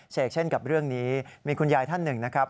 เช่นกับเรื่องนี้มีคุณยายท่านหนึ่งนะครับ